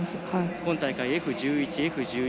今大会Ｆ１１、Ｆ１２